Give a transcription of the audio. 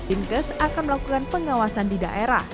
inkes akan melakukan pengawasan di daerah